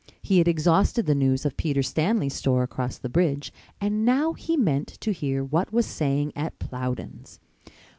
He had exhausted the news of Peter Stanley's store across the bridge and now he meant to hear what was saying at Plowden's.